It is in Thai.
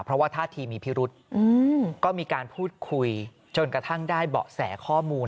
เพราะว่าท่าทีมีพิรุษก็มีการพูดคุยจนกระทั่งได้เบาะแสข้อมูล